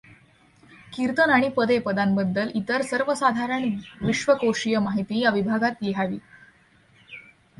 कीर्तन आणि पदे पदांबद्दल इतर सर्वसाधारण विश्वकोशीय माहिती या विभागात लिहावी.